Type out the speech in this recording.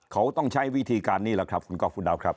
เขาต้องใช้วิธีการนี้แหละครับคุณก๊อฟฟุดาวครับ